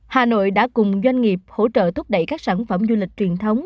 hà nội đã cùng doanh nghiệp hỗ trợ thúc đẩy các sản phẩm du lịch truyền thống